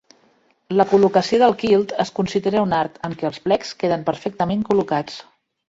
La col·locació del kilt es considera un art, en què els plecs queden perfectament col·locats.